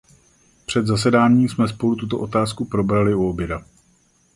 Před zasedáním jsme spolu tuto otázku probrali u oběda.